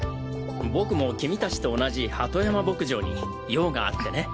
僕も君達と同じ鳩山牧場に用があってね。